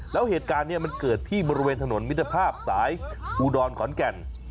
แล้วเหตุการณ์นี้มันเกิดที่บริเวณถนนมิตรภาพสายอุดรขอนแก่น